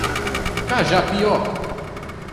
Cajapió